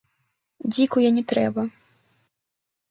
Дзіку я не трэба.